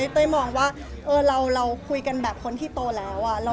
เต้ยมองว่าเราคุยกันแบบคนที่โตแล้ว